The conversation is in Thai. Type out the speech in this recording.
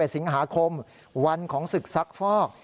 สิงหาคมวันของศึกซักฟอก